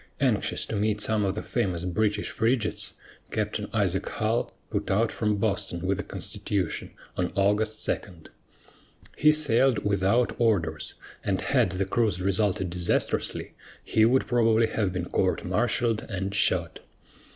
Anxious to meet some of the famous British frigates, Captain Isaac Hull put out from Boston with the Constitution on August 2. He sailed without orders, and had the cruise resulted disastrously, he would probably have been court martialed and shot.